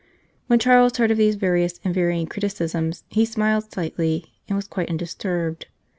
When Charles heard of these various and varying criticisms, he smiled slightly and was quite undis turbed.